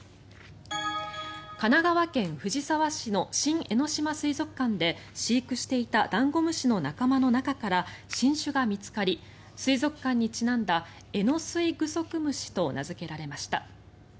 神奈川県藤沢市の新江ノ島水族館で飼育していたダンゴムシの仲間の中から新種が見つかり水族館にちなんだエノスイグソクムシと名付けられました。